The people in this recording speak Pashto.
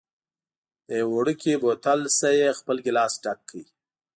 له یوه وړوکي بوتل نه یې خپل ګېلاس ډک کړ.